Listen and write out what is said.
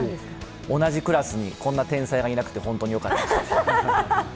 同じクラスにこんな天才がいなくて本当によかったです。